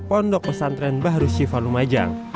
pondok pesantren bahru siva lumajang